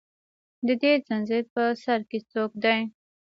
د دې زنځیر په سر کې څوک دي